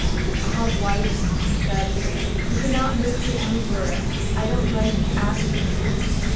'Ah, wife,' he said, 'he cannot make you emperor; I don't like to ask him that.